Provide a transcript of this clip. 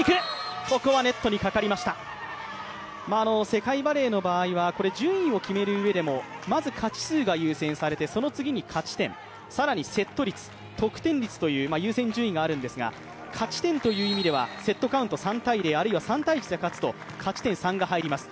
世界バレーの場合は順位を決める上でも、まず勝ち数が優先されてその次に勝ち点、更にセット率、得点率という優先順位があるんですが、勝ち点という意味ではセットカウント３−０あるいは３−１で勝つと、勝ち点３が入ります。